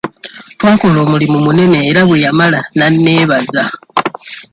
Twakola omulimu munene era bwe yamala n'anneebaza.